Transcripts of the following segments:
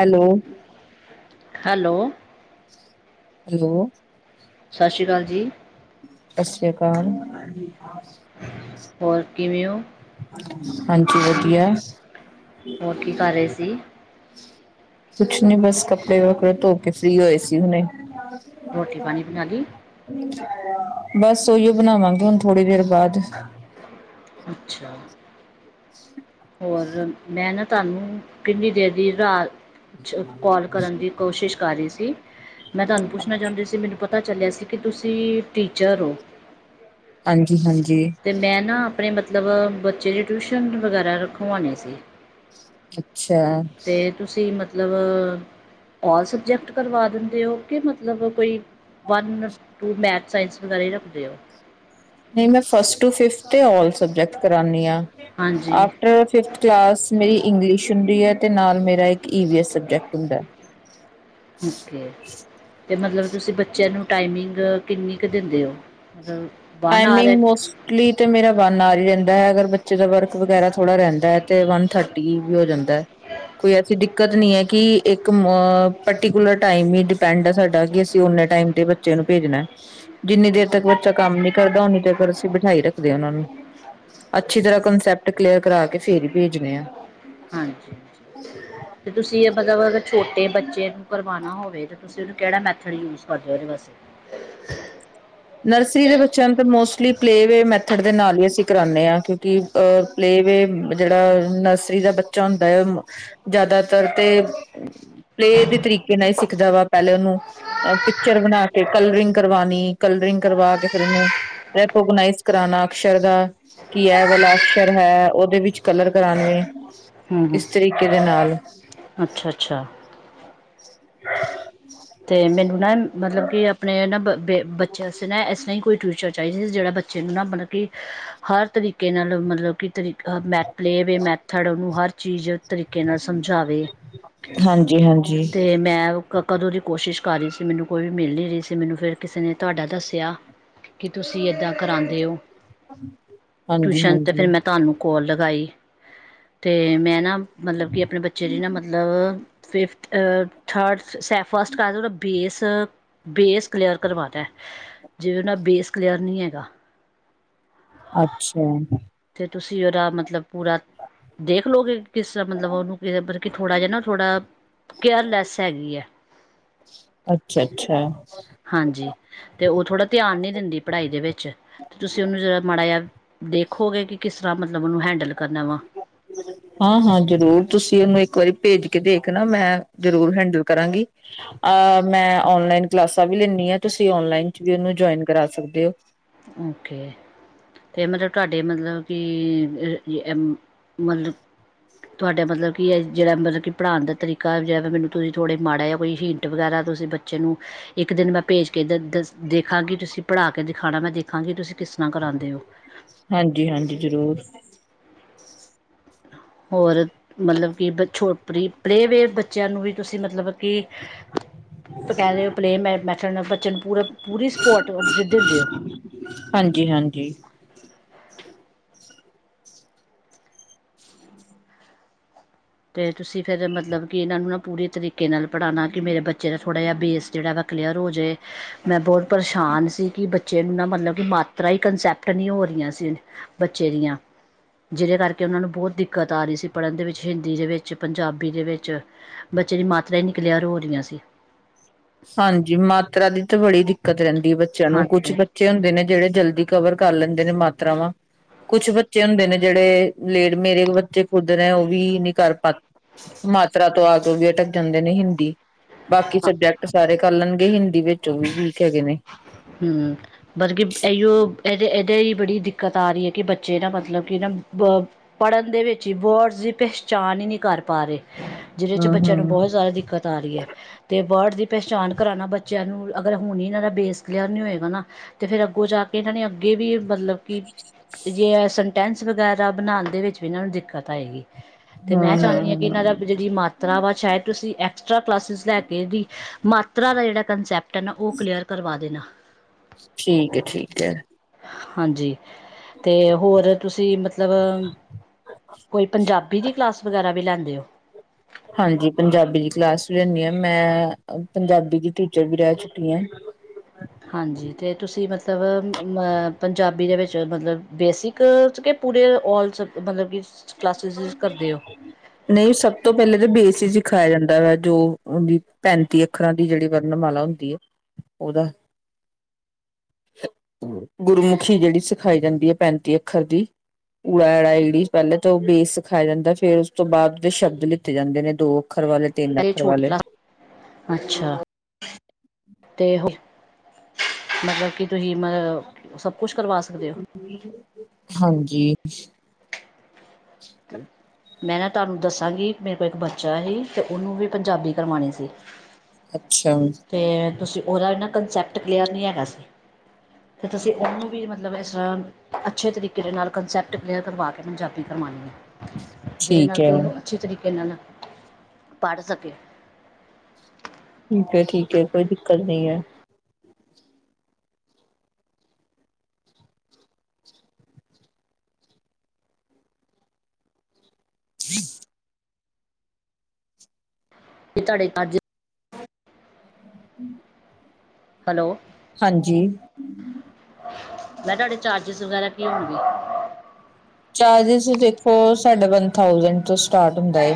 Hello, hello, hello, ਸਤਿ ਸ਼੍ਰੀ ਅਕਾਲ ਜੀ। ਸਤਿ ਸ਼੍ਰੀ ਅਕਾਲ। ਹੋਰ ਕਿਵੇਂ ਓ? ਹਾਂਜੀ ਵਧੀਆ। ਹੋਰ ਕੀ ਕਰ ਰਹੇ ਸੀ। ਕੁਛ ਨੀ ਬਸ ਕੱਪੜੇ ਵਪੜੇ ਧੋ ਕੇ ਫ੍ਰੀ ਹੋਏ ਸੀ ਹੁਣੇ ਰੋਟੀ ਪਾਣੀ ਬਣਾ ਲਈ [unintelligible] ਬਸ ਓਹੀਓ ਬਣਾਵਾਂਗੇ ਹੁਣ ਥੋੜੀ ਦੇਰ ਬਾਅਦ। ਅੱਛਾ ਹੋਰ, ਮੈਂ ਨਾ ਤੁਹਾਨੂੰ ਕਿੰਨੀ ਦੇਰ ਦੀ ਰਾਤ ਕੌਲ ਕਰਨ ਦੀ ਕੋਸ਼ਿਸ਼ ਕਰ ਰਹੀ ਸੀ ਮੈਂ ਤੁਆਨੂੰ ਪੁੱਛਣਾ ਚਾਹੁੰਦੀ ਸੀ। ਮੈਨੂੰ ਪਤਾ ਚੱਲਿਆ ਸੀ ਕਿ ਤੁਸੀਂ ਟੀਚਰ ਓ। ਹਾਂਜੀ-ਹਾਂਜੀ। ਤੇ ਮੈਂ ਨਾ ਆਪਣੇ ਮਤਲਬ ਬੱਚੇ ਦੀ ਟਿਊਸ਼ਨ ਵਗੈਰਾ ਰਖਵਾਣੀ ਸੀ ਅੱਛਾ ਅਤੇ ਤੁਸੀਂ ਮਤਲਬ ਔਲ ਸਬਜੈਕਟ ਕਰਵਾ ਦਿੰਦੇ ਹੋ। ਕਿ ਮਤਲਬ ਕੋਈ ਵਨ ਟੂ ਮੈਥ ਸਾਇੰਸ ਵਗੈਰਾ ਹੀ ਰੱਖਦੇ ਹੋ। ਨਹੀਂ ਮੈਂ first to fifth all subject ਕਰਾਨੀ ਆ ਹਾਂਜੀ ਅਫਟਰ ਫਿਫਥ ਕਲਾਸ ਮੇਰੀ ਇੰਗਲਿਸ਼ ਹੁੰਦੀ ਐ, ਤੇ ਨਾਲ ਮੇਰਾ ਇੱਕ ਈਵੀ ਐੱਸ ਸਬਜੈਕਟ ਹੁੰਦਾ ਐ ਓਕੇ ਤੇ ਮਤਲਬ ਤੁਸੀਂ ਬੱਚਿਆਂ ਨੂੰ ਟਾਈਮਿੰਗ ਕਿੰਨੀ ਕੁ ਦਿੰਦੇ ਓ ਟਾਈਮਿੰਗ ਮੋਸਟ ਮੋਸਟਲੀ ਤੇ ਮੇਰਾ ਵੰਨ ਆਵਰ ਹੀ ਰਹਿੰਦਾ ਐ। ਅਗਰ ਬੱਚੇ ਦਾ ਵਰਕ ਵਗੈਰਾ ਥੋੜਾ ਰਹਿੰਦਾ ਐ ਤੇ ਵੰਨ ਥਰਟੀ ਵੀ ਹੋ ਜਾਂਦਾ ਹੈ। ਕੋਈ ਐਸੀ ਦਿੱਕਤ ਨੀ ਹੈ। ਕਿ ਇੱਕ ਅ ਪਰਟੀਕੁਲਰ ਟਾਈਮ ਹੀ ਡਿਪੈਂਡ ਹੈ ਸਾਡਾ ਕਿ ਅਸੀਂ ਓਨੇ ਟਾਈਮ ਦੇ ਬੱਚੇ ਨੂੰ ਭੇਜਣਾ ਐ, ਜਿੰਨੀ ਦੇਰ ਅੱਛਾ ਤੱਕ ਬੱਚਾ ਕੰਮ ਨੀ ਕਰਦਾ। ਓਨੀ ਦੇਰ ਤਕ ਅਸੀਂ ਬਿਠਾਈ ਰੱਖਦੇ ਆ। ਉਹਨਾਂ ਨੂੰ ਅੱਛੀ ਤਰ੍ਹਾਂ ਕੰਸੈਪਟ ਕਲੀਅਰ ਕਰਾ ਕੇ ਫੇਰ ਹੀ ਭੇਜਣੇ ਆ ਹਾਂਜੀ-ਹਾਂਜੀ, ਤੇ ਤੁਸੀਂ ਏ ਮਤਲਬ ਅਗਰ ਛੋਟੇ ਬੱਚੇ ਨੂੰ ਕਰਵਾਣਾ ਹੋਵੇ ਤੁਸੀਂ ਉਹਨੂੰ ਕਿਹੜਾ ਮੈਥਡ ਯੂਜ ਕਰਦੇ ਹੋ? ਉਹਦੇ ਵਾਸਤੇ ਨਰਸਰੀ ਦੇ ਬੱਚਿਆਂ ਨੂੰ ਤਾਂ ਮੋਸਟਲੀ ਪਲੇਵੇ ਮੈਥਡ ਦੇ ਨਾਲ ਹੀ ਅਸੀਂ ਕਰਾਂਨੇ ਆ ਕਿਉਂਕਿ ਅ ਪਲੇਵੇ ਜੇਹੜਾ ਨਰਸਰੀ ਦਾ ਬੱਚਾ ਹੁੰਦਾ ਹੈ। ਜੈਦਾਤਰ ਤੇ ਪਲੇਅ ਦੇ ਤਰੀਕੇ ਨਾਲ ਈ ਸਿੱਖਦਾ ਵਾ ਪਹਿਲੇ ਉਹਨੂੰ ਅ ਪਿਚਰ ਬਣਾ ਕੇ ਕਲਰਿੰਗ ਕਰਵਾਨੀ। ਕਲਰਿੰਗ ਕਰਵਾ ਕੇ ਫੇਰ ਉਨੂੰ, ਰੈਕੋਗਨਾਈਜ਼ ਕਰਾਨਾ ਅਕਸ਼ਰ ਦਾ ਕੀ ਐ ਵਲਾ ਅਕਸ਼ਰ ਹੈ ਓਦੇ ਵਿੱਚ ਕਲਰ ਕਰਾਨਗੇ, ਇਸ ਤਰੀਕੇ ਦੇ ਨਾਲ। ਅੱਛਾ-ਅੱਛਾ। [inaudible] ਤੇ ਮੈਨੂੰ ਨਾ ਮਤਲਬ ਕਿ ਅਪਨੇ ਨਾ ਬ ਬੇ ਬੱਚੇਆਂ ਅਸੇ ਨਾ ਐਸ ਤਰਾ ਈ ਕੋਈ ਟਿਯੂਸ਼ਨ ਚਾਈਦਾ ਸੀ ਜੜਾ ਬੱਚੇ ਨੂੰ ਨਾ ਮਤਲਬ ਕਿ, ਹਰ ਤਰੀਕੇ ਨਾਲ ਮਤਲਬ ਕਿ ਤਰੀਕ ਮੈ ਪਲੇ ਵੇ ਮੈਥਡ ਉਨੂੰ ਹਰ ਚੀਜ਼ ਤਰੀਕੇ ਨਾਲ ਸਮਝਾਵੇ, ਹਾਂਜੀ ਹਾਂਜੀ ਤੇ ਮੈਂ ਕ ਕਦੋ ਦੀ ਕੋਸ਼ਿਸ਼ ਕਾਰ ਰੇ ਸੀ ਮੈਨੂੰ ਕੋਈ ਵੀ ਮਿਲ ਜੇ ਜਿਸੇ ਮੈਨੂੰ ਫੇਰ ਕਿਸੇ ਨੇ ਤੁਆਡਾ ਦੱਸੇਆ ਕਿ ਤੁਸੀ ਏਦਾ ਕਰਾਨਦੇ ਓ, ਹਾਂਜੀ ਟਿਊਸ਼ਨ ਤੇ ਹਾਂਜੀ ਮੈਂ ਤਾਨੂੰ ਕੋਲ ਲਗਾਈ, ਤੇ ਮੈਂ ਨਾ ਮਤਲਬ ਕਿ ਅਪਨੇ ਬੱਚੇ ਦੀ ਨਾ ਮਤਲਬ ਫਿਫਥ ਅ ਥਰਡ ਸੈਫ ਫਸ ਸਾਨੂ ਓਦਾ ਬੇਸ, ਬੇਸ ਕਲਿਅਰ ਕਰਵਾਨੈ। ਜਿਵੇ ਓਂਦਾ ਬੇਸ ਕਲੀਅਰ ਨੀ ਐਗਾ। ਅੱਛਾ। ਤੇ ਤੁਸੀ ਓਦਾ ਮਤਲਬ ਪੂਰਾ ਦੇਖ ਲੋਗੇ ਕਿਸ ਤਰਾ ਮਤਲਬ ਓਨੂੰ ਮਤਲਬ ਕਿ ਥੋੜਾ ਜਾ ਨਾ ਥੋੜਾ ਕੇਅਰਲੈਸ ਐਗੀ ਐ। ਅੱਛਾ-ਅੱਛਾ। ਹਾਂਜੀ, ਤੇ ਉਹ ਥੋੜ੍ਹਾ ਧਿਆਨ ਨਹੀਂ ਦਿੰਦੀ ਪੜ੍ਹਾਈ ਦੇ ਵਿੱਚ। ਤੁਸੀਂ ਉਹਨੂੰ ਜਿਹੜਾ ਮਾੜਾ ਜਿਹਾ ਦੇਖੋਗੇ, ਕਿ ਕਿਸ ਤਰ੍ਹਾਂ ਮਤਲਬ ਉਹਨੂੰ ਹੈਂਡਲ ਕਰਨਾ ਵਾ। [inaudible] ਹਾਂ-ਹਾਂ ਜ਼ਰੂਰ, ਤੁਸੀਂ ਉਹਨੂੰ ਇੱਕ ਵਾਰੀ ਭੇਜ ਕੇ ਦੇਖਨਾ, ਮੈਂ ਜ਼ਰੂਰ ਹੈਂਡਲ ਕਰਾਂਗੀ। ਅਹ, ਮੈਂ ਓਨਲਾਈਨ ਕਲਾਸਾਂ ਵੀ ਲੈਂਨੀ ਆਂ, ਤੁਸੀਂ ਓਨਲਾਈਨ ਚ ਵੀ ਉਹਨੂੰ ਜੁਆਇਨ ਕਰਾ ਸਕਦੇ ੳ। ਓਕੇ। ਫਿਰ ਮਤਲਬ ਤੁਹਾਡੇ ਮਤਲਬ ਕਿ ਏ ਈ ਮਤਲਬ ਤੁਹਾਡਾ ਮਤਲਬ ਕਿ ਏ ਜਿਹੜਾ ਮਤਲਬ ਕਿ ਪੜ੍ਹਾਨ ਦਾ ਤਰੀਕਾ ਜੈ ਤੇ ਮੈਨੂੰ ਤੁਸੀਂ ਥੋੜਾ ਮਾੜਾ ਜਿਆ ਕੋਈ ਹਿੰਟ ਵਗੈਰਾ ਤੁਸੀਂ ਬੱਚੇ ਨੂੰ ਇੱਕ ਦਿਨ ਮੈਂ ਭੇਜ ਕੇ ਦੇਖਾਂਗੀ ਤੁਸੀਂ ਪੜ੍ਹਾ ਕੇ ਖਾਣਾ ਮੈਂ ਦੇਖਾਂਗੀ, ਤੁਸੀਂ ਕਿਸ ਤਰ੍ਹਾਂ ਕਰਾਉਂਦੇ ਹੋ? ਹਾਂਜੀ-ਹਾਂਜੀ ਜ਼ਰੂਰ। ਹੋਰ ਮਤਲਬ ਕਿ ਬ ਛੋਟ ਪਲੇਵੇ ਬੱਚਿਆਂ ਨੂੰ ਵੀ ਤੁਸੀਂ ਮਤਲਬ ਕਿ ਕਹਿੰਦੇ ਪਲੇਵੈ ਮੈ ਮੈਥਡ ਨਾਲ ਬੱਚਨ ਨੂੰ ਪੂਰ-ਪੂਰੀ ਸਪੋਰਟ ਦੇ ਦਿੰਦੇ ਹੋ? ਹਾਂਜੀ-ਹਾਂਜੀ। ਅਤੇ ਤੁਸੀਂ ਫਿਰ ਮਤਲਬ ਕਿ ਇਹਨਾਂ ਨੂੰ ਨਾ ਪੂਰੀ ਤਰੀਕੇ ਨਾਲ ਪੜ੍ਹਾਉਣਾ ਕਿ ਮੇਰੇ ਬੱਚੇ ਦਾ ਥੋੜ੍ਹਾ ਜਿਹਾ ਬੇਸ ਜਿਹੜਾ ਨਾ ਕਲੀਅਰ ਹੋ ਜਾਵੇ ਮੈਂ ਬਹੁਤ ਪਰੇਸ਼ਾਨ ਸੀ ਕਿ ਬੱਚੇ ਨੂੰ ਨਾ ਮਤਲਬ ਕਿ ਮਾਤਰਾ ਹੀ ਕੰਸੈਪਟ ਨਹੀਂ ਹੋ ਰਹੀਆਂ ਸੀ। ਬੱਚੇ ਦੀਆਂ ਜਿਹਦੇ ਕਰਕੇ ਉਹਨਾਂ ਨੂੰ ਬਹੁਤ ਦਿੱਕਤ ਆ ਰਹੀ ਸੀ ਪੜ੍ਹਨ ਦੇ ਵਿੱਚ ਹਿੰਦੀ ਦੇ ਵਿੱਚ, ਪੰਜਾਬੀ ਦੇ ਵਿੱਚ ਬੱਚੇ ਦੀ ਮਾਤਰਾ ਹੀ ਨਹੀਂ ਕਲਿਆਰ ਹੋ ਰਹੀਆਂ ਸੀ। ਹਾਂਜੀ, ਮਾਤਰਾ ਦੀ ਤਾਂ ਬੜੀ ਦਿੱਕਤ ਰਹਿੰਦੀ ਹੈ ਬੱਚਿਆਂ ਨੂੰ, ਕੁਛ ਬਚ ਹਾਂਜੀ ਬੱਚੇ ਹੁੰਦੇ ਨੇ ਜਿਹੜੇ ਜਲਦੀ ਕਵਰ ਕਰ ਲੈਂਦੇ ਨੇ ਮਾਤਰਾਵਾਂ ਕੁਛ ਬੱਚੇ ਹੁੰਦੇ ਨੇ ਜਿਹੜੇ ਲੇਡ, ਮੇਰੇ ਬੱਚੇ ਖੁਦ ਨੇ ਉਹ ਵੀ ਨੀ ਕਰ ਪਾ ਮਾਤਰਾ ਤੋਂ ਆ ਕੇ ਵੀ ਅਟਕ ਜਾਂਦੇ ਨੇ ਹਿੰਦੀ ਬਾਕੀ ਹਾਂ ਸਬਜੈਕਟ ਸਾਰੇ ਕਰ ਲੈਣਗੇ, ਹਿੰਦੀ ਵਿੱਚੋ ਵੀ ਵੀਕ ਹੈਗੇ ਨੇ ਹਮ ਮਤਲਬ ਕਿ ਇਓ ਇਹਦੇ ਇਹਦੇ ਲਈ ਬੜੀ ਦਿੱਕਤ ਆ ਰਹੀ ਹੈ ਕਿ ਬੱਚੇ ਨਾ ਮਤਲਬ ਕਿ ਨਾ ਬ ਪੜ੍ਹਨ ਦੇ ਵਿੱਚ ਹੀ ਵਰਡਸ ਦੀ ਪਹਿਚਾਣ ਹੀ ਨਹੀਂ ਕਰ ਪਾ ਰਹੇ, ਜਿਹਦੇ ਚ ਬੱਚਿਆਂ ਨੂੰ ਹੂੰ-ਹੂੰ ਬਹੁਤ ਜ਼ਿਆਦਾ ਦਿ ਦਿੱਕਤ ਆ ਰਹੀ ਏ। ਤੇ ਵਰਡ ਦੀ ਪਹਿਚਾਣ ਕਰਾਣਾ ਬੱਚਿਆਂ ਨੂੰ, ਅਗਰ ਹੁਣ ਹੀ ਇਹਨਾਂ ਦਾ ਬੇਸ ਕਲੀਅਰ ਨੀ ਹੋਏਗਾ ਨਾ, ਤੇ ਫੇਰ ਅੱਗੋਂ ਜਾ ਕੇ ਇਹਨਾਂ ਨੇ ਅੱਗੇ ਵੀ ਮਤਲਬ ਕਿ ਜੇ ੲੈ ਸੰਟੈਂਸ ਵਗੈਰਾ ਬਣਾਨ ਦੇ ਵਿੱਚ ਵੀ ਇਹਨਾਂ ਨੂੰ ਦਿੱਕਤ ਆਏਗੀ। ਤੇ ਹਮ ਮੈਂ ਹਮ ਚਾਨੀ ਹਾਂ ਕਿ ਹਮ ਇਹਨਾਂ ਹਮ ਦਾ ਵੀ ਜੇੜੀ ਮਾ ਤਰਾ ਵਾ ਸ਼ਾਇਦ ਤੁਸੀਂ ਐਕਸਟਰਾ ਕਲਾਸਿਸ ਲੈ ਕੇ ਏਦੀ, ਮਾਤਰਾ ਦਾ ਜਿਹੜਾ ਕੰਸੈਪਟ ਏ ਨਾ ਉਹ ਕਲੀਅਰ ਪਾ ਦੇਨਾ। ਠੀਕ ਏ, ਠੀਕ ਏ। ਹਾਂਜੀ। ਤੇ ਹੋਰ ਤੁਸੀਂ, ਮਤਲਬ ਕੋਈ ਪੰਜਾਬੀ ਦੀ ਕਲਾਸ ਵਗੈਰਾ ਵੀ ਲੈਂਦੇ ੳ ਹਾਂਜੀ, ਪੰਜਾਬੀ ਦੀ ਕਲਾਸ ਵੀ ਲੈਂਣੀ ਐ, ਮੈਂ ਪੰਜਾਬੀ ਦੀ ਟੀਚਰ ਵੀ ਰਹਿ ਚੁੱਕੀ ਐ ਹਾਂਜੀ ਅਤੇ ਤੁਸੀਂ ਮਤਲਬ ਮ ਪੰਜਾਬੀ ਦੇ ਵਿੱਚ ਮਤਲਬ ਬੇਸਿਕ ਕਿ ਪੂਰੇ ਆਲ ਸਬ ਮਤਲਬ ਕਿ ਕਲਾਸਿਸ ਕਰਦੇ ਹੋ ਨਹੀਂ ਸਭ ਤੋਂ ਪਹਿਲੇ ਤਾਂ ਬੇਸ ਹੀ ਸਿਖਾਇਆ ਜਾਂਦਾ ਵਾ ਜੋ ਪੈਂਤੀ ਅੱਖਰਾਂ ਦੀ ਜਿਹੜੀ ਵਰਣਮਾਲਾ ਹੁੰਦੀ ਏ, ਉਹਦਾ [inaudible] ਗੁਰਮੁਖੀ ਜਿਹੜੀ ਸਿਖਾਈ ਜਾਂਦੀ ਏ ਪੈਂਤੀ ਅੱਖਰ ਦੀ, ਉੜਾ ਐੜਾ ਈੜੀ ਪਹਿਲੇ ਤਾਂ ਉਹ ਬੇਸ ਸਿਖਾਇਆ ਜਾਂਦਾ, ਫੇਰ ਉਸ ਤੋਂ ਬਾਅਦ ੳਦੇ ਸ਼ਬਦ ਲਿੱਤੇ ਜਾਂਦੇ ਨੇ, ਦੋ ਅੱਖਰ ਵਾਲੇ ਤਿੰਨ [inaudible] ਅੱਖਰ ਛੋਟੀ ਵਾਲੇ ਕਲਾਸ, ਅੱਛਾ। ਤੇ ਹੋ, ਮਤਲਬ ਕਿ ਤੁਸੀਂ ਮ ਸਭ ਕੁਛ ਕਰਵਾ ਸਕਦੇ ੳ। ਹਾਂਜੀ। ਤੇ [inaudible] ਮੈਂ ਨਾ ਤੁਹਾਨੂੰ ਦੱਸਾਂਗੀ, ਮੇਰੇ ਕੋਲ ਇੱਕ ਬੱਚਾ ਸੀ, ਤੇ ਉਹਨੂੰ ਵੀ ਪੰਜਾਬੀ ਕਰਵਾਉਣੀ ਸੀ। ਅੱਛਾ ਊ ਤੇ ਤੁਸੀਂ ਉਹਦਾ ਐਨਾ ਕੰਸੈਪਟ ਕਲੀਅਰ ਨਹੀਂ ਹੈਗਾ ਸੀ ਤੇ ਤੁਸੀਂ ਉਹਨੂੰ ਵੀ ਮਤਲਬ ਇਸ [inaudible] ਤਰ੍ਹਾਂ ਅੱਛੇ ਤਰੀਕੇ ਦੇ ਨਾਲ ਕੰਨਸੈਪਟ ਕਲੀਅਰ ਕਰਵਾ ਕੇ ਪੰਜਾਬੀ ਕਰਵਾਉਣੀ ਹੈ ਜਿਹੜੇ ਠੀਕ ਨਾਲ ਹੈ ਕਿ ਉਹਨੂੰ ਅੱਛੇ ਤਰੀਕੇ ਨਾਲ ਨ ਪੜ੍ਹ ਸਕੇ ਠੀਕ ਹੈ ਠੀਕ ਹੈ ਕੋਈ ਦਿੱਕਤ ਨਹੀਂ ਹੈ ਹੀ [inaudible] ਤੇ ਤੁਹਾਡੇ ਅੱਜ ਹੂੰ, ਹੈਲੋ। ਹਾਂਜੀ। ਮੈਂ ਕਿਹਾ ਤੁਹਾਡੇ ਚਾਰਜਿਸ ਵਗੈਰਾ ਕੀ ਹੋਣਗੇ। ਚਾਰਜਿਸ ਦੇਖੋ ਸਾਡੇ ਵਨ ਥਾਊਸੈਂਡ ਤੋਂ ਸਟਾਰਟ ਹੁੰਦਾ।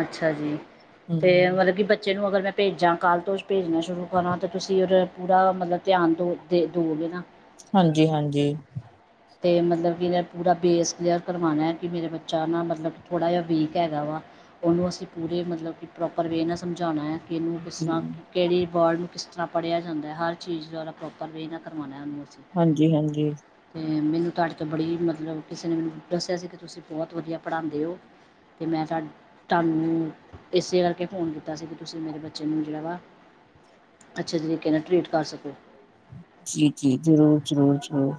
ਅੱਛਾ ਜੀ ਹੂੰ। ਤੇ ਮਤਲਬ ਕਿ ਬੱਚੇ ਨੂੰ ਅਗਰ ਮੈਂ ਭੇਜਾਂ ਕੱਲ੍ਹ ਤੋਂ ਭੇਜਣਾ ਸ਼ੁਰੂ ਕਰਾਂ ਤਾਂ ਤੁਸੀਂ ਉਹਦਾ ਪੂਰਾ ਮਤਲਬ ਧਿਆਨ ਦੋ ਦੇ ਦੋਗੇ ਨਾ। ਹਾਂਜੀ ਹਾਂਜੀ। ਤੇ ਮਤਲਬ ਕਿ ਇਹ ਪੂਰਾ ਬੇਸ ਕਲੀਅਰ ਕਰਵਾਉਣਾ ਕਿ ਮੇਰਾ ਬੱਚਾ ਨਾ ਮਤਲਬ ਕਿ ਥੋੜ੍ਹਾ ਜਿਹਾ ਵੀਕ ਹੈਗਾ ਵਾ। ਉਹਨੂੰ ਅਸੀਂ ਪੂਰੇ ਮਤਲਬ ਕਿ ਪ੍ਰੋਪਰ ਵੇਅ ਨਾ ਸਮਝਾਣਾ ਆ ਕਿ ਇਹਨੂੰ ਕਿਸ ਜੀ ਤਰ੍ਹਾਂ ਕਿਹੜੀ ਵਰਡ ਨੂੰ ਕਿਸ ਤਰ੍ਹਾਂ ਪੜ੍ਹਿਆ ਜਾਂਦਾ ਹਰ ਚੀਜ਼ ਦਾ ਉਹਦਾ ਪ੍ਰੋਪਰ ਵੇਅ ਨਾ ਕਰਵਾਉਣਾ ਉਹਨੂੰ ਅਸੀਂ। ਹਾਂਜੀ ਹਾਂਜੀ। ਤੇ ਮੈਨੂੰ ਤੁਹਾਡੇ ਤੋਂ ਬੜੀ ਮਤਲਬ ਕਿਸੇ ਨੇ ਮੈਨੂੰ ਦੱਸਿਆ ਸੀ ਕਿ ਤੁਸੀਂ ਬਹੁਤ ਵਧੀਆ ਪੜ੍ਹਾਦੇ ਓ। ਤੇ ਮੈਂ ਤੁਹਾਡੇ ਤੁਹਾਨੂੰ ਇਸੇ ਕਰਕੇ ਫੋਨ ਕੀਤਾ ਸੀ ਕਿ ਤੁਸੀਂ ਮੇਰੇ ਬੱਚੇ ਨੂੰ ਜਿਹੜਾ ਵਾ ਅੱਛੇ ਤਰੀਕੇ ਨਾਲ ਟ੍ਰਰੀਟ ਕਰ ਸਕੋ। ਜੀ ਜੀ ਜ਼ਰੂਰ ਜ਼ਰੂਰ ਜ਼ਰੂਰ।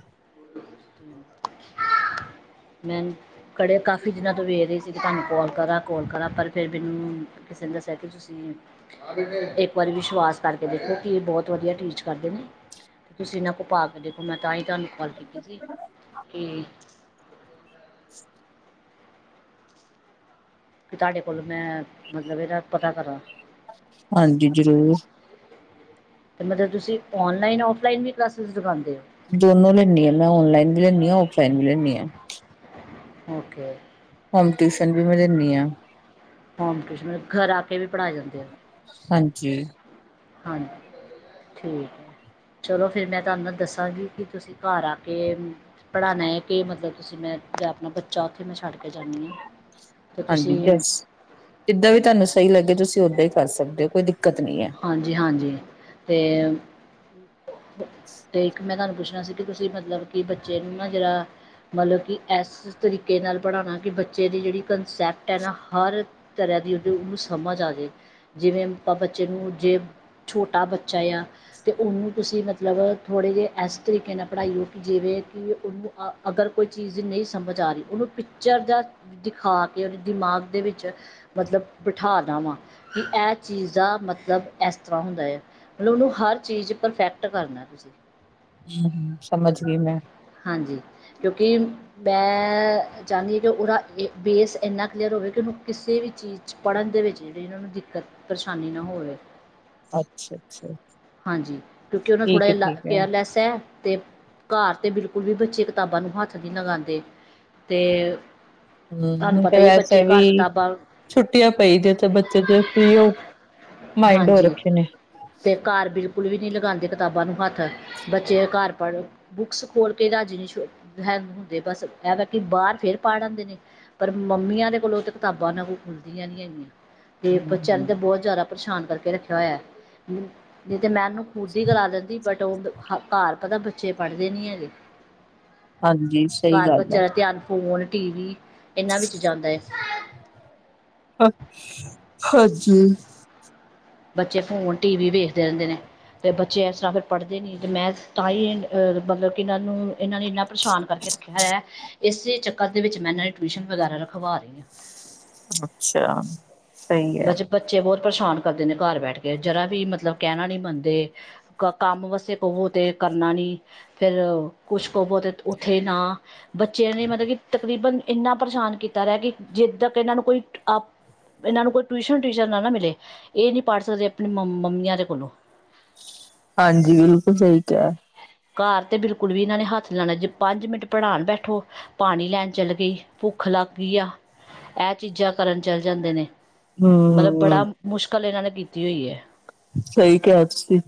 ਮੈ ਕਿਹੜੇ ਕਾਫੀ ਦਿਨਾਂ ਤੋਂ ਵੇਖ ਰਹੇ ਸੀ ਕਿ ਤੁਹਾਨੂੰ ਕੋਲ ਕਰਾ ਕੋਲ ਕਰਾ ਪਰ ਫਿਰ ਮੈਨੂੰ ਕਿਸੇ ਨੇ ਦੱਸਿਆ ਤੁਸੀ ਇੱਕ ਵਾਰੀ ਵਿਸ਼ਵਾਸ ਕਰਕੇ ਦੇਖੋ ਕੀ ਬਹੁਤ ਵਧੀਆ ਟੀਚ ਕਰਦੇ ਨੇ। ਤੇ ਤੁਸੀਂ ਇਹਨਾਂ ਕੋਲ ਪਾ ਕੇ ਦੇਖੋ ਮੈਂ ਤਾਂ ਹੀ ਤੁਹਾਨੂੰ ਕਾਲ ਕੀਤੀ ਸੀ ਕਿ [unintelligible] ਕਿ ਤੁਹਾਡੇ ਕੋਲ ਮੈਂ ਮਤਲਬ ਇਹਦਾ ਪਤਾ ਕਰਾਂ। ਹਾਂਜੀ ਜ਼ਰੂਰ ਤੇ ਮਤਲਬ ਤੁਸੀ ਔਨਲਾਈਨ ਔਫਲਾਈਨ ਵੀ ਕਲਾਸਿਸ ਲੱਗਾਉਂਦੇ ਹੋ। ਦੋਨੋਂ ਲੈਂਣੀ ਹਾਂ ਮੈਂ ਔਨਲਾਈਨ ਵੀ ਲੈਂਣੀ ਹਾਂ ਔਫਲਾਈਨ ਵੀ ਲੈਂਦੀ ਹਾਂ। ਓਕੇ ਹੋਮ ਟਿਊਸ਼ਨ ਵੀ ਮੈਂ ਦਿੰਦੀ ਆਂ। ਹੋਮ ਟਿਊਸ਼ਨ ਮਤਲਬ ਘਰ ਆ ਕੇ ਵੀ ਪੜ੍ਹਾਏ ਜਾਂਦੇ ਓ। ਹਾਂਜੀ ਹਾਂਜੀ ਠੀਕ ਹੈ। ਚਲੋ ਫਿਰ ਮੈਂ ਤੁਹਾਨੂੰ ਦੱਸਾਂਗੀ ਕਿ ਤੁਸੀ ਘਰ ਆ ਕੇ ਪੜ੍ਹਾਣਾ ਹੈ ਕਿ ਮਤਲਬ ਤੁਸੀਂ ਮੈਂ ਜਾਂ ਆਪਣਾ ਬੱਚਾ ਜੋਬ ਤੇ ਮੈਂ ਛੱਡ ਕੇ ਜਾਂਦੀ ਹਾਂ ਅਤੇ ਹਾਂਜੀ ਤੁਸੀ ਜਸ ਜਿੱਦਾਂ ਵੀ ਤੁਹਾਨੂੰ ਸਹੀ ਲੱਗੇ ਤੁਸੀ ਓਦਾਂ ਹੀ ਕਰ ਸਕਦੇ ਹੋ ਕੋਈ ਦਿੱਕਤ ਨਹੀਂ ਹੈ। ਹਾਂਜੀ- ਹਾਂਜੀ ਤੇ ਅਤੇ ਇੱਕ ਮੈਂ ਤੁਹਾਨੂੰ ਪੁੱਛਣਾ ਸੀ। ਕਿ ਤੁਸੀ ਮਤਲਬ ਕਿ ਬੱਚੇ ਨੂੰ ਨਾ ਜਰਾ ਮਤਲਬ ਕਿ ਇਸ ਤਰੀਕੇ ਨਾਲ ਪੜ੍ਹਾਣਾ ਕਿ ਬੱਚੇ ਦੀ ਜਿਹੜੀ ਕੰਸੈਪਟ ਹੈ ਨਾ ਹਰ ਤਰ੍ਹਾਂ ਦੀ ਉਹਦੀ ਉਹਨੂੰ ਸਮਝ ਆ ਜਾਏ ਜਿਵੇਂ ਆਪਾਂ ਜੇ ਨੂੰ ਜੇ ਛੋਟਾ ਬੱਚਾ ਆ ਤੇ ਉਹਨੂੰ ਤੁਸੀ ਮਤਲਬ ਮਤਲਬ ਥੋੜ੍ਹੇ ਜਿਹੇ ਇਸ ਤਰੀਕੇ ਨਾਲ ਪੜ੍ਹਾਈ ਹੋ ਕਿ ਜਿਵੇਂ ਕਿ ਉਹਨੂੰ ਅਗਰ ਕੋਈ ਚੀਜ਼ ਨਹੀਂ ਸਮਝ ਆ ਰਹੀ ਉਹਨੂੰ ਪਿਚਰ ਜਾਂ ਦਿਖਾ ਕੇ ਉਹਦੇ ਦਿਮਾਗ ਦੇ ਵਿੱਚ ਮਤਲਬ ਬਿਠਾਣਾ ਵਾਂ ਕਿ ਇਹ ਚੀਜ਼ ਜਾਂ ਮਤਲਬ ਇਸ ਤਰ੍ਹਾਂ ਹੁੰਦਾ ਆ ਮਤਲਬ ਉਹਨੂੰ ਹਰ ਚੀਜ਼ ਪਰਫੈਕਟ ਕਰਨਾ ਤੁਸੀ ਹੂੰ ਸਮਝ ਗਈ ਮੈਂ ਹਾਂਜੀ ਕਿਉਂਕਿ ਮੈਂ ਚਾਹੁੰਦੀ ਹਾਂ ਕਿ ਉਹਦਾ ਬੇਸ ਇੰਨਾ ਕਲੀਅਰ ਹੋਵੇ ਕਿ ਉਹਨੂੰ ਕਿਸੇ ਵੀ ਚੀਜ਼ ਪੜ੍ਹਨ ਦੇ ਵਿੱਚ ਜਿਹੜੀ ਇਹਨਾਂ ਨੂੰ ਦਿੱਕਤ ਪਰੇਸ਼ਾਨੀ ਨਾ ਹੋਵੇ। ਅੱਛਾ ਅੱਛਾ ਹਾਂਜੀ ਕਿਉਂਕਿ ਉਹ ਠੀਕ ਹੈ ਥੋੜਾ ਠੀਕ ਹੈ ਕੇਅਰਲੈਸ ਤੇ ਘਰ ਤੇ ਬਿਲਕੁਲ ਹੋਰ ਵੀ ਬੱਚੇ ਕਿਤਾਬਾਂ ਨੂੰ ਹੱਥ ਨਹੀ ਲਗਾਂਦੇ ਤੇ ਹੂੰ ਹੁਣ ਤੇ ਵੈਸੇ ਵੀ ਕਿਤਾਬਾਂ ਛੁੱਟੀਆਂ ਪਈ ਜ ਤੇ ਬੱਚੇ ਤੇ ਫ ਓ [inaudible] ਮਾਇੰਡ ਹੋ ਰੱਖੇ ਨੇ। ਤੇ ਘਰ ਬਿਲਕੁਲ ਵੀ ਨਹੀਂ ਲਗਾਂਦੇ ਕਿਤਾਬਾਂ ਨੂੰ ਹੱਥ ਬੱਚੇ ਘਰ ਪੜ ਬੁੱਕਸ ਹੋਰ ਕਈ ਰਾਜ਼ੀ ਨ ਹੁੰਦੇ ਬਸ ਇਹ ਵ ਕਿ ਬਾਹਰ ਫਰ ਪੜ੍ਹ ਆਂਦੇ ਨੇ। ਪਰ ਮੰਮੀਆਂ ਦੇ ਕੋਲੋਂ ਤਾਂ ਕਿਤਾਬਾਂ ਨਾ ਕੋਈ ਖੁੱਲਦੀਆਂ ਨਹੀਂ ਹੈਗੀਆਂ। ਤੇ ਬੱਚਿਆਂ ਹੂੰ, ਨੂੰ ਤਾਂ ਬਹੁਤ ਜ਼ਿਆਦਾ ਪਰੇਸ਼ਾਨ ਕਰਕੇ ਰੱਖਿਆ ਹੋਇਆ। ਨਹੀਂ ਤੇ ਮੈਂ ਉਹਨੂੰ ਖੁਦ ਹੀ ਕਰਾ ਦਿੰਦੀ ਬਟ ਉਹ ਘਰ ਪਤਾ ਬੱਚੇ ਪੜ੍ਹਦੇ ਨੀ ਹੈਗੇ। ਹਾਂਜੀ ਸਹੀ ਘਰ ਗੱਲ ਐ। ਬੱਚਿਆਂ ਦਾ ਧਿਆਨ ਫੋਨ ਟੀ ਵੀ ਇਹਨਾਂ ਵਿੱਚ ਜਾਂਦਾ ਹੈ [inaudible] ਹਾਂਜੀ ਬੱਚੇ ਫੋਨ ਟੀ ਵੀ ਵੇਖਦੇ ਰਹਿੰਦੇ ਨੇ। ਅਤੇ ਬੱਚੇ ਇਸ ਤਰ੍ਹਾਂ ਫਿਰ ਪੜ੍ਹਦੇ ਨਹੀਂ ਅਤੇ ਮੈਂ ਤਾਂ ਹੀ ਮਤਲਬ ਕਿ ਇਹਨਾਂ ਨੂੰ ਇਹਨਾਂ ਨੇ ਇੰਨਾ ਪਰੇਸ਼ਾਨ ਕਰਕੇ ਰੱਖ ਇਸੇ ਚੱਕਰ ਦੇ ਵਿੱਚ ਮੈਂ ਨਾਂ ਟਿਊਸ਼ਨ ਵਗੈਰਾ ਰਖਵਾ ਰਹੀ ਹਾਂ। ਅੱਛਾ ਸਹੀ ਬ ਐ। ਬੱਚੇ ਬਹੁਤ ਪਰੇਸ਼ਾਨ ਕਰਦੇ ਨੇ ਘਰ ਬੈਠ ਕੇ ਜਰਾ ਵੀ ਮਤਲਬ ਕਹਿਣਾ ਨੀ ਮੰਨਦੇ। ਕੰਮ ਵਾਸੇ ਕੁਵੋ ਤੇ ਕਰਨਾ ਨੀ। ਫਿਰ ਕੁਛ ਕੁਵੋ ਤਾਂ ਉੱਥੇ ਨਾ ਬੱਚਿਆਂ ਨੇ ਮਤਲਬ ਕਿ ਤਕਰੀਬਨ ਇੰਨਾ, ਪਰੇਸ਼ਾਨ ਕੀਤਾ ਰਿਹਾ। ਕਿ ਜਿੱਦ ਤਕ ਇਹਨਾਂ ਨੂੰ ਕੋਈ ਅ- ਇਹਨਾਂ ਨੂੰ ਕੋਈ ਟਿਊਸ਼ਨ ਟਟੀਰ ਨਾ, ਨਾ ਮਿਲੇ। ਇਹ ਨਹੀਂ ਪੜ ਸਕਦੇ, ਆਪਣੀ ਮੰਮੀਆਂ ਦੇ ਕੋਲੋਂ। ਹਾਂਜੀ, ਬਿਲਕੁਲ ਸਹੀ ਕਿਹਾ। ਘਰ ਤੇ ਬਿਲਕੁਲ ਵੀ ਇਹਨਾਂ ਨੇ ਹੱਥ ਨੀ ਲਾਉਣਾ। ਜੇ ਪੰਜ ਮਿੰਟ ਪੜਾਉਣ ਬੈਠੋ। ਪਾਣੀ ਲੈਣ ਚੱਲ ਗਈ। ਭੁੱਖ ਲੱਗ ਗਈ ਆ। ਇਹ ਚੀਜ਼ਾਂ ਕਰਨ ਚੱਲ ਜਾਂਦੇ ਨੇ। ਮਤਲਬ ਬੜਾ ਹੂੰ, ਮੁਸ਼ਕਲ, ਇਹਨਾਂ ਨੇ ਕੀਤੀ ਹੋਈ ਹੈ। ਸਹੀ ਕਿਹਾ ਸੀ।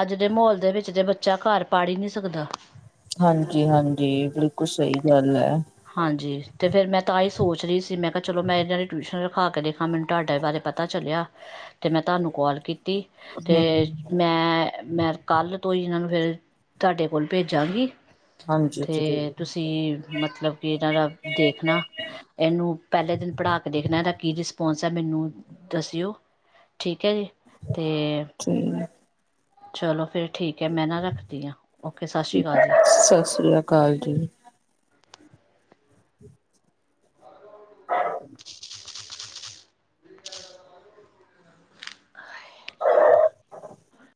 ਅੱਜ ਦੇ ਮਾਹੋਲ ਦੇ ਵਿੱਚ ਤੇ, ਬੱਚਾ ਘਰ ਪੜ ਹੀ ਨਹੀਂ ਸਕਦਾ। ਹਾਂਜੀ- ਹਾਂਜੀ, ਬਿਲਕੁਲ ਸਹੀ ਗੱਲ ਹੈ। ਹਾਂਜੀ ਤੇ ਫੇਰ ਮੈਂ ਤਾਂ ਹੀ, ਸੋਚ ਰਹੀ ਸੀ ਮੈਂ ਕਿਹਾ ਚਲੋ ਮੈਂ ਇਹਨਾਂ ਦੀ, ਟਿਊਸ਼ਨ ਰਖਾ ਕੇ ਦੇਖਾਂ। ਮੈਨੂੰ ਤੁਹਾਡੇ ਬਾਰੇ ਪਤਾ ਪਤਾ ਚੱਲਿਆ ਤੇ ਮੈਂ ਤੁਹਾਨੂੰ ਕੋਾਲ ਕੀਤੀ ਤੇ ਹੂੰ। ਮੈਂ। ਮੈਂ ਕੱਲ ਤੋਂ ਹੀ ਇਹਨਾਂ ਨੂੰ, ਫੇਰ ਤੁਹਾਡੇ ਕੋਲ ਭੇਜਾਂਗੀ। ਹਾਂਜੀ, ਤੇ ਜ਼ਰੂਰ ਤੁਸੀਂ ਮਤਲਬ ਕਿ, ਇਹਨਾਂ ਦਾ ਦੇਖਣਾ। ਇਹਨੂੰ ਪਹਿਲੇ ਦਿਨ ਪੜਾ ਕੇ ਦੇਖਣਾ, ਇਹਦਾ ਕੀ ਰਿਸਪੋਂਸ ਹੈ। ਮੈਨੂੰ ਦੱਸਿਓ। ਠੀਕ ਹੈ ਜੀ। ਤੇ ਠੀਕ, ਚਲੋ ਫੇਰ ਠੀਕ ਹੈ, ਮੈਂ ਨਾ ਰੱਖਦੀ ਹਾਂ। ਓਕੇ ਸਤਿ ਸ਼੍ਰੀ ਅਕਾਲ ਜੀ ਸਤਿ ਸ੍ਰੀ ਅਕਾਲ ਜੀ।